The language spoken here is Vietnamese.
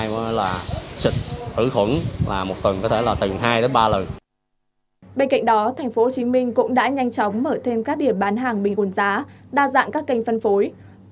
bên cạnh đó tp hcm cũng đã nhanh chóng mở thêm các điểm bán hàng bình ổn giá đa dạng các kênh phân phối